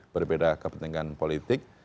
berbeda kepentingan politik